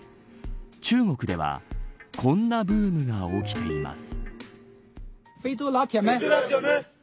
中国では、こんなブームが起きています。